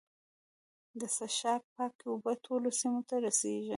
د څښاک پاکې اوبه ټولو سیمو ته رسیږي.